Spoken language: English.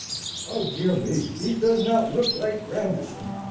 "Oh dear me! he does not look like Grandison!"